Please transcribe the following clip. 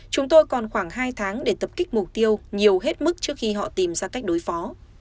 chúng tôi còn khoảng hai tháng để tập kích mục tiêu nhiều hết mức trước khi họ tìm ra cách đối phó